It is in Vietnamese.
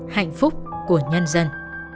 hạnh phúc của nhân dân